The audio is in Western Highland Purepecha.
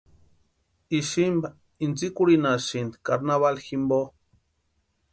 Isïmpa intsikurhinhasïnti carnavali jimpo.